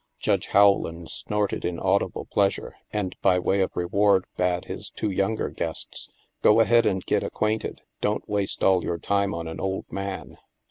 Judge Rowland snorted in audible pleasure and by way of reward bade his two younger guests, "Go ahead and get acquainted. Don't waste all your time on an old man."